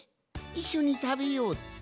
いっしょにたべようって？